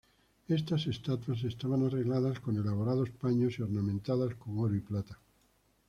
Estas estatuas estaban arregladas con elaborados paños y ornamentadas con oro y plata.